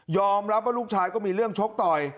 รับว่าลูกชายก็มีเรื่องชกต่อย